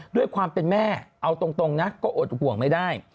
ด้วยความเป็นแม่เอาตรงนะก็อดห่วงไม่ได้